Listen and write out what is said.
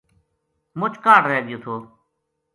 مُچ کاہڈ رہ گیو تھو